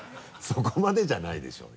そこまでじゃないでしょ。